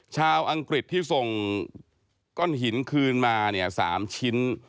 ชาวอังกฤษที่ส่งก้อนหินคืนมา๓ชิ้น